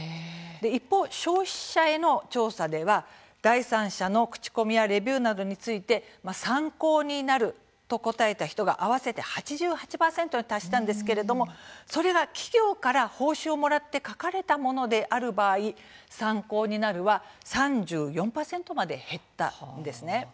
一方、消費者への調査では第三者の口コミやレビューなどについて「参考になる」と答えた人が合わせて８８％に達したんですけれどもそれが企業から報酬をもらって書かれたものである場合「参考になる」は３４％まで減ったんですね。